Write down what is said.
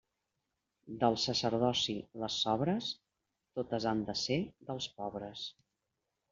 Del sacerdoci les sobres, totes han de ser dels pobres.